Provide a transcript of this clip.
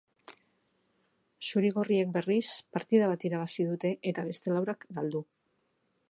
Zuri-gorriek, berriz, partida bat irabazi dute eta beste laurak galdu.